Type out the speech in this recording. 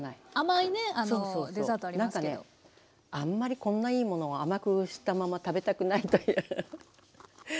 あんまりこんないいものを甘くしたまま食べたくないというウフフフ。